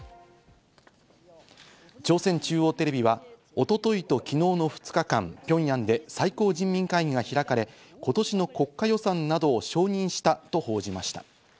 朝鮮中央テレビは一昨日と昨日の２日間、ピョンヤンで最高人民会議が開かれ、今年の国家予算などを承認したと報じました。